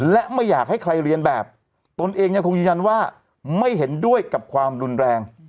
และไม่อยากให้ใครเรียนแบบตนเองยังคงยืนยันว่าไม่เห็นด้วยกับความรุนแรง